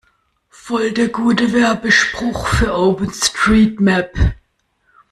Voll der gute Werbespruch für OpenStreetMap!